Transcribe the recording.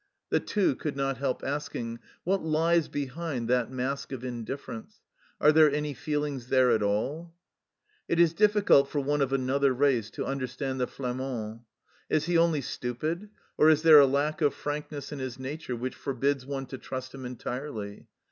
The Two could not help asking, " What lies behind that mask of indifference ? Are there any feelings there at all ?" It is difficult for one of another race to understand the Flamand. Is he only stupid, or is there a lack of frankness in his nature which forbids one to trust him entirely